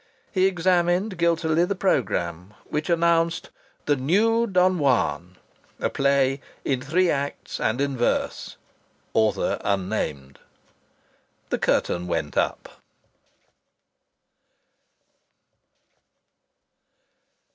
He examined guiltily the programme, which announced "The New Don Juan," a play "in three acts and in verse" author unnamed. The curtain went up.